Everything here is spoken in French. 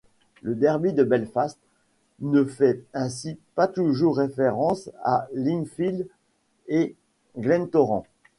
Le derby de Belfast ne fait ainsi pas toujours référence à Linfield et Glentoran.